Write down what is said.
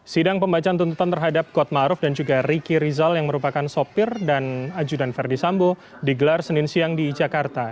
sidang pembacaan tuntutan terhadap kuatmaruf dan juga riki rizal yang merupakan sopir dan ajudan verdi sambo digelar senin siang di jakarta